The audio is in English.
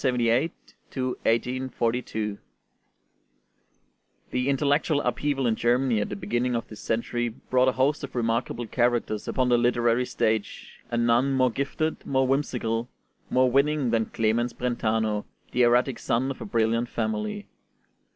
CLEMENS BRENTANO (1778 1842) The intellectual upheaval in Germany at the beginning of this century brought a host of remarkable characters upon the literary stage, and none more gifted, more whimsical, more winning than Clemens Brentano, the erratic son of a brilliant family.